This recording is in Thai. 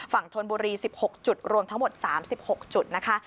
ธนบุรี๑๖จุดรวมทั้งหมด๓๖จุดนะคะ